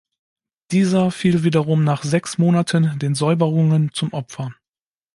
Dieser fiel wiederum nach sechs Monaten den „Säuberungen“ zum Opfer.